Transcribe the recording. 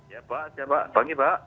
ya pak selamat pagi pak